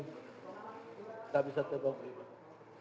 gak bisa tembak begini